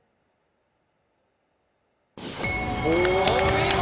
お見事！